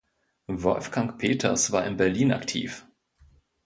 Wolfgang Peters war in Berlin aktiv.